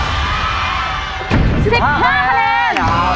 ๑๕คะแนน